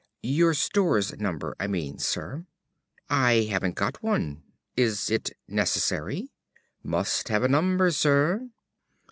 "Your Stores number, I mean, Sir." "I haven't got one. Is it necessary?" "Must have a number, Sir."